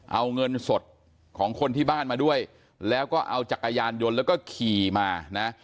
เอาเงินสดของคนที่บ้านมาด้วยแล้วก็เอาจักรยานยนต์แล้วก็ขี่มานะ